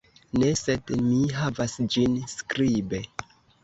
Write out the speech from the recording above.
Ne, sed mi havas ĝin skribe.